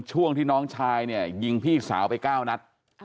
ช่วงที่น้องชายยิงพี่สาวไปก้าวนัด